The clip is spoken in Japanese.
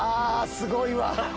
すごいわ。